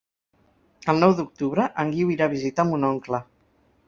El nou d'octubre en Guiu irà a visitar mon oncle.